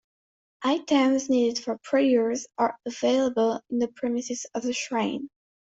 Items needed for prayers are available in the premises of the shrine.